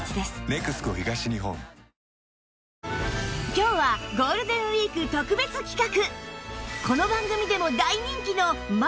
今日はゴールデンウィーク特別企画